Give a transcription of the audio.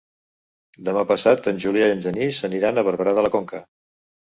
Demà passat en Julià i en Genís aniran a Barberà de la Conca.